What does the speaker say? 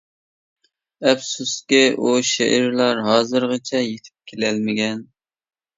ئەپسۇسكى، ئۇ شېئىرلار ھازىرغىچە يېتىپ كېلەلمىگەن.